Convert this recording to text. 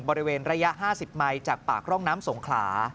บริเวณระยะ๕๐ไมค์จากปากร่องน้ำสงขลา